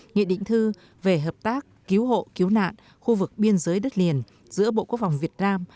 nghị định thư về hợp tác cứu hộ cứu nạn khu vực biên giới đất liền giữa bộ quốc phòng việt nam